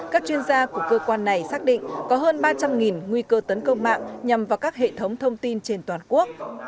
các chuyên gia của cơ quan này xác định có hơn ba trăm linh nguy cơ tấn công mạng nhằm vào các hệ thống thông tin trên toàn quốc